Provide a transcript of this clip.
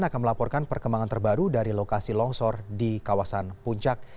akan melaporkan perkembangan terbaru dari lokasi longsor di kawasan puncak